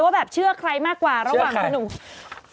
ว่าแบบเชื่อใครมากกว่าระหว่างเชื่อกับใคร